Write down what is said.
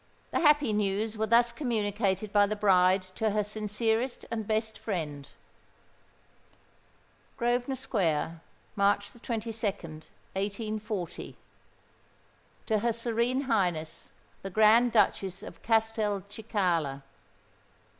The happy news were thus communicated by the bride to her sincerest and best friend:— "Grosvenor Square, "March 22nd, 1840. TO HER SERENE HIGHNESS THE GRAND DUCHESS OF CASTELCICALA.